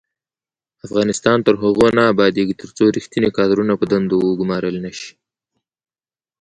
افغانستان تر هغو نه ابادیږي، ترڅو ریښتیني کادرونه په دندو وګمارل نشي.